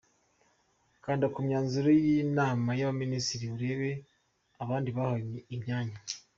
Kanda ku myanzuro y’ inama y’ abaminisitiri urebe abandi bahawe imyanya.